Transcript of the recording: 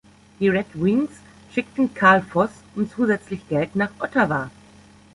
Die Red Wings schickten Carl Voss und zusätzlich Geld nach Ottawa.